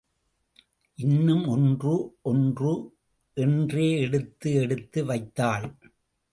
இன்னும் ஒன்று, ஒன்று—என்றே எடுத்து, எடுத்து வைத்தாள்.